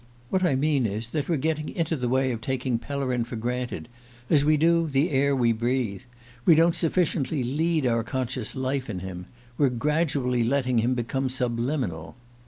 What I mean is, that we're getting into the way of taking Pellerin for granted as we do the air we breathe. We don't sufficiently lead our conscious life in him we're gradually letting him become subliminal."